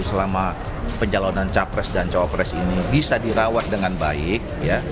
selama pencalonan capres dan cawapres ini bisa dirawat dengan baik